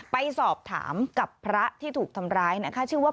ไปสอบถามกับพระที่ถูกทำร้ายนะคะชื่อว่า